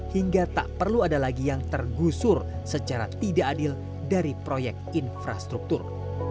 hingga tak perlu ada lagi yang tergusur secara tidak adil dari proyek infrastruktur